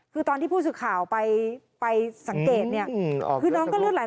คือตอนที่ผู้สื่อข่าวไปสังเกตเนี่ยคือน้องก็เลือดไหล